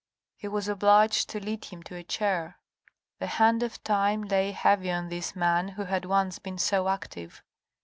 He was obliged to lead him to a chair. The hand of time lay heavy on this man who had once been so active.